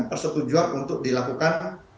persetujuan untuk dilakukan